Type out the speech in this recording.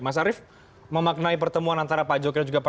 mas arief memaknai pertemuan antara pak jokowi